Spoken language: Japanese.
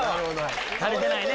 足りてないね。